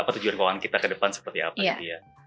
apa tujuan keuangan kita ke depan seperti apa gitu ya